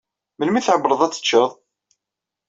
Melmi i tɛewwleḍ ad teččeḍ?